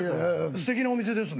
すてきなお店ですね。